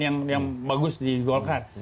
yang bagus di gokart